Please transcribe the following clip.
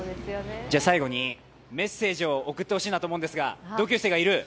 最後にメッセージを送ってほしいなと思うんですが、同級生がいる？